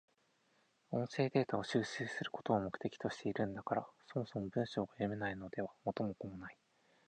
音声データを収集することを目的としているんだから、そもそも文章が読めないのでは元も子もない。